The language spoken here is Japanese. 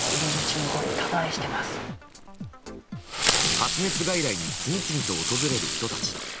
発熱外来に次々と訪れる人たち。